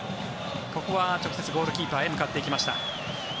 ここは直接ゴールキーパーへ向かっていきました。